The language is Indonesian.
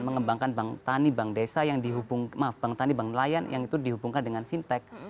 mengembangkan bank tani bank desa yang dihubung maaf bank tani bank nelayan yang itu dihubungkan dengan fintech